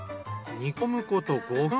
煮込むこと５分。